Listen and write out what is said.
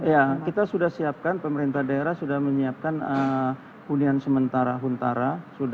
ya kita sudah siapkan pemerintah daerah sudah menyiapkan hunian sementara huntara